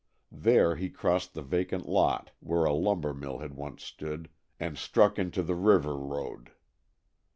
There he crossed the vacant lot where a lumber mill had once stood, and struck into the river road.